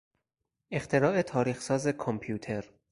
اختراع تاریخ ساز کامپیوتر